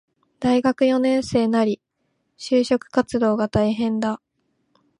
大学四年生なり、就職活動が大変だ